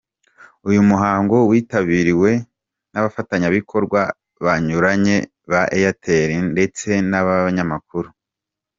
Uyu muhango witabiriwe n'abafatanyabikorwa banyuranye ba Airtel ndetse n'abanyamakuru.